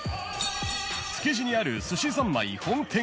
［築地にあるすしざんまい本店へ］